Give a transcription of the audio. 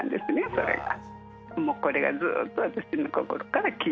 それが。